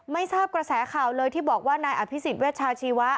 ไม่ทราบกระแสข่าวเลยที่บอกว่านายอภิษฎเวชาชีวะ